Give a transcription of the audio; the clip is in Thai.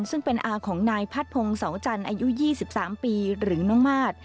ซึ่งเป็นอาของนายพัดพงศ์เสาจันทร์อายุ๒๓ปีหรือน้องมาส